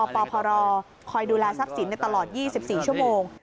พรคอยดูแลทรัพย์สินในตลอด๒๔ชั่วโมง